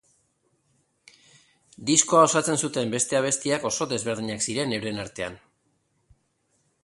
Diskoa osatzen zuten beste abestiak oso desberdinak ziren euren artean.